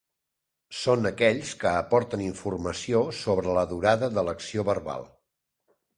Són aquells que aporten informació sobre la durada de l'acció verbal.